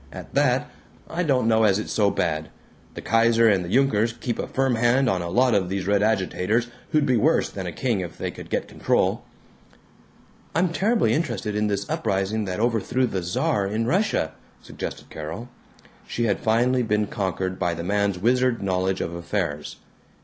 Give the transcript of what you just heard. At that, I don't know as it's so bad. The Kaiser and the Junkers keep a firm hand on a lot of these red agitators who'd be worse than a king if they could get control." "I'm terribly interested in this uprising that overthrew the Czar in Russia," suggested Carol. She had finally been conquered by the man's wizard knowledge of affairs.